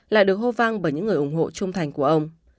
lại được hô vang bởi những người ủng hộ trung thành của ông